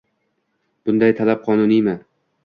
Bunday talab qonuniymi?